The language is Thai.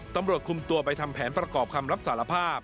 ตำรวจคุมตัวไปทำแผนประกอบคำรับสารภาพ